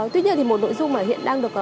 tuy nhiên thì một nội dung mà hiện đang được